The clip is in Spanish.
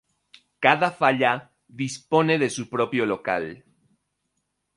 Cada Falla dispone de su propio local.